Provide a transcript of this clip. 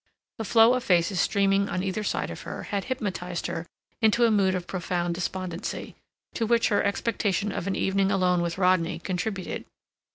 The flow of faces streaming on either side of her had hypnotized her into a mood of profound despondency, to which her expectation of an evening alone with Rodney contributed.